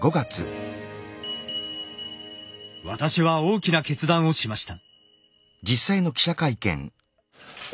私は大きな決断をしました。